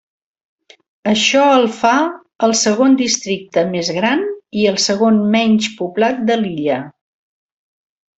Això el fa el segon districte més gran i el segon menys poblat de l'illa.